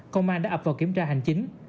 công an đã ập vào kiểm tra hành chính